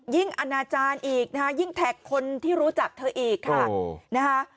ยิ่งอนาจารย์อีกยิ่งแท็กคนที่รู้จักเธออีกค่ะ